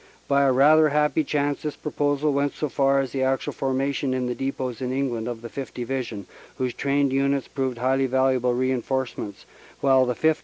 By a rather happy chance this proposal went so far as the actual formation in the depots in England of the 5th. Division, whose trained units proved highly valuable reinforcements, while the 5th.